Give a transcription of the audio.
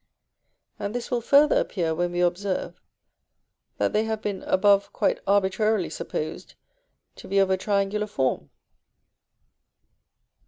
And this will farther appear when we observe that they have been above quite arbitrarily supposed to be of a triangular form.